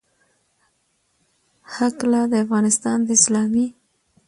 هکله، د افغانستان د اسلامي